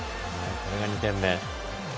これが２点目。